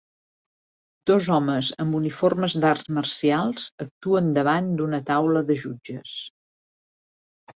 Dos homes amb uniformes d'arts marcials actuen davant d'una taula de jutges